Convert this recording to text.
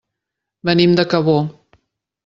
Venim de Cabó.